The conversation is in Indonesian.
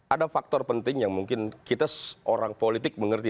ada faktor penting yang mungkin kita orang politik mengerti